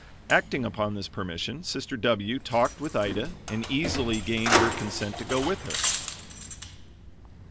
Acting upon this permission, Sister W talked with Ida and easily gained her consent to go with her.